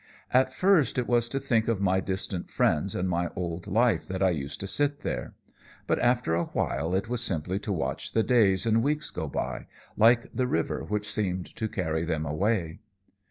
"At first it was to think of my distant friends and my old life that I used to sit there; but after awhile it was simply to watch the days and weeks go by, like the river which seemed to carry them away.